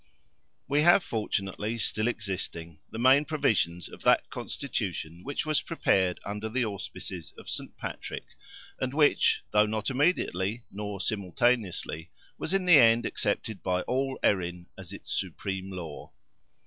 We have fortunately still existing the main provisions of that constitution which was prepared under the auspices of Saint Patrick, and which, though not immediately, nor simultaneously, was in the end accepted by all Erin as its supreme law.